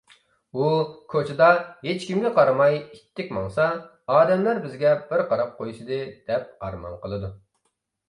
ئۇ كوچىدا ھېچكىمگە قارىماي ئىتتىك ماڭسا، ئادەملەر بىزگە بىر قاراپ قويسىدى! دەپ ئارمان قىلىدۇ.